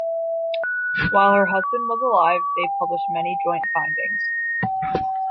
While her husband was alive, they published many joint findings.